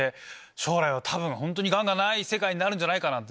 将来は多分本当にがんがない世界になるんじゃないかなって。